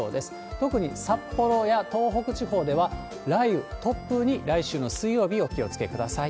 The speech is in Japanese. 特に札幌や東北地方では雷雨、突風に、来週の水曜日、お気をつけください。